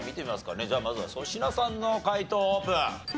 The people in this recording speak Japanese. じゃあまずは粗品さんの解答オープン。